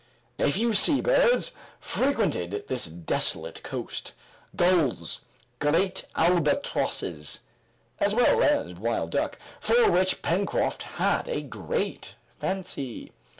A few sea birds frequented this desolate coast, gulls, great albatrosses, as well as wild duck, for which Pencroft had a great fancy.